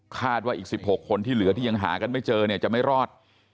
คาดว่าอีก๑๖คนที่เหลือที่ยังหากันไม่เจอเนี่ยจะไม่รอด